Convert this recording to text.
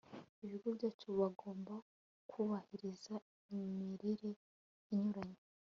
ibigo byacu bagomba kubahiriza imirire inyuranye